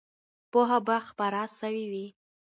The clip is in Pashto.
پوهه به خپره سوې وي.